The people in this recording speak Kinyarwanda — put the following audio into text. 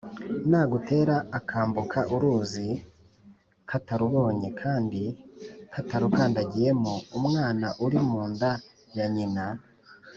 Nagutera akambuka uruzi katarubonye kandi katarukandagiyemo-Umwana uri mu nda ya nyina.